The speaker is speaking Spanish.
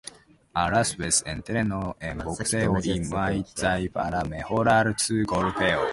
A la vez, entrenó en boxeo y muay thai para mejorar su golpeo.